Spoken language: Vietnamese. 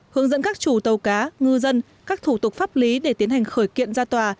hướng dẫn các chủ tàu cá ngư dân các thủ tục pháp lý để tiến hành khởi kiện ra tòa